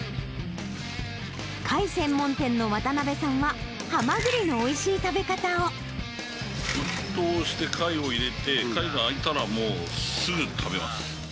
貝専門店の渡辺さんは、ハマグリのおいしい食べ方を。沸騰して貝を入れて、貝が開いたら、もうすぐ食べます。